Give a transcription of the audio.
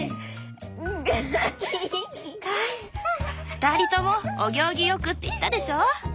ふたりともお行儀良くって言ったでしょ。